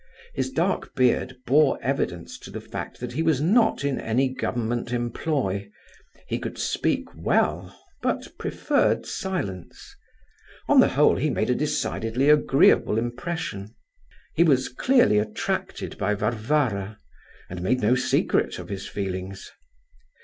His dark beard bore evidence to the fact that he was not in any government employ. He could speak well, but preferred silence. On the whole he made a decidedly agreeable impression. He was clearly attracted by Varvara, and made no secret of his feelings.